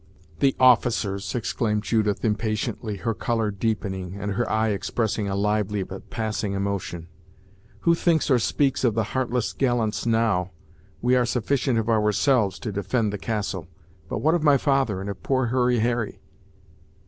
"The officers!" exclaimed Judith, impatiently, her color deepening, and her eye expressing a lively but passing emotion. "Who thinks or speaks of the heartless gallants now? We are sufficient of ourselves to defend the castle. But what of my father, and of poor Hurry Harry?"